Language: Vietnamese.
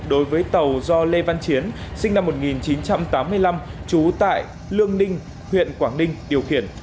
đối với tàu do lê văn chiến sinh năm một nghìn chín trăm tám mươi năm trú tại lương ninh huyện quảng ninh điều khiển